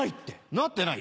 なってない？